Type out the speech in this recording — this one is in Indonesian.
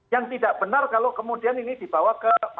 yang tidak benar kalau kemudian ini dibawa ke